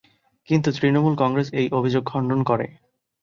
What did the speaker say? কিন্তু তৃণমূল কংগ্রেস এই অভিযোগ খণ্ডন করে।